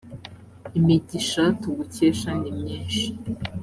imigisha tugukesha ni myinshi